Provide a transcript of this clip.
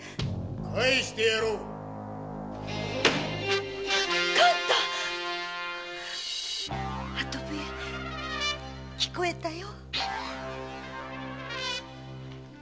返してやろう勘太鳩笛聞こえたよ。